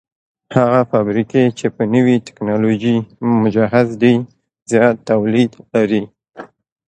هغه فابريکې چې په نوي ټکنالوژي مجهز دي زيات توليد لري.